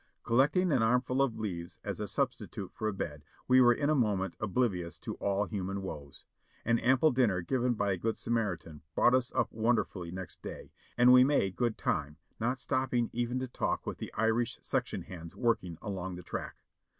Collecting an armful of leaves as a substitute for a bed, we were in a moment oblivious to all human woes. An ample dinner given by a good Samaritan brought us up wonderfully next day; and we made good time, not stopping even to talk with the Irish section hands working along the track.